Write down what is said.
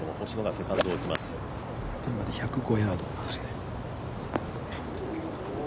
ピンまで１０５ヤードですね。